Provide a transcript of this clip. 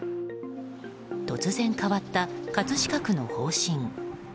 突然変わった葛飾区の方針。